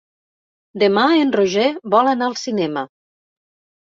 Demà en Roger vol anar al cinema.